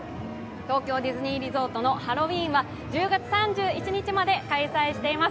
東京ディズニーリゾートのハロウィーンは１０月３１日まで開催しています。